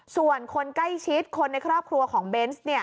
ส่วนคนใกล้ชิดคนในครอบครัวของเบนส์